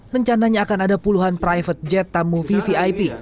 rencananya akan ada puluhan private jet tamu vvip